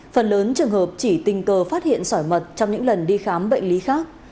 phần lớn trường hợp chỉ tình cờ phát hiện sỏi mật trong những lần đi khám bệnh lý khác